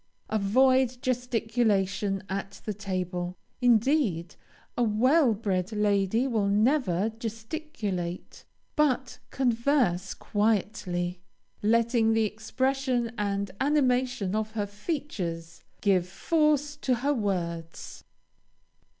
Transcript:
Avoid gesticulation at the table. Indeed, a well bred lady will never gesticulate, but converse quietly, letting the expression and animation of her features give force to her words.